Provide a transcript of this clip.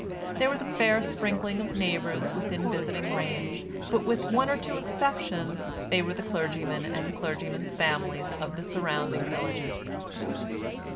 There was a fair sprinkling of neighbours within visiting range, but with one or two exceptions they were the clergymen and clergymen's families of the surrounding villages.